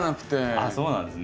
あそうなんですね。